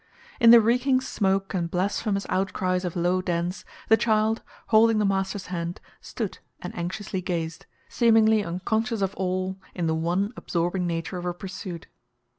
In the reeking smoke and blasphemous outcries of low dens, the child, holding the master's hand, stood and anxiously gazed, seemingly unconscious of all in the one absorbing nature of her pursuit.